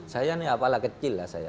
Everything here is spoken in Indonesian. saya ini apalah kecil lah saya